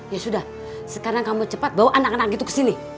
ya sudah sekarang kamu cepat bawa anak anak itu ke sini